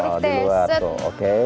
oh diluart tuh oke